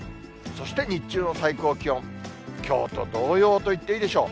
そして日中の最高気温、きょうと同様と言っていいでしょう。